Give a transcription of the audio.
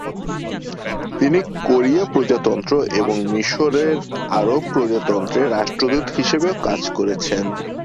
তিনি কোরিয়া প্রজাতন্ত্র এবং মিশরের আরব প্রজাতন্ত্রে রাষ্ট্রদূত হিসেবেও কাজ করেছেন।